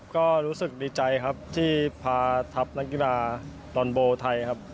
ก็รู้สึกดีใจครับที่พาทัพนักกีฬาลอนโบไทยครับ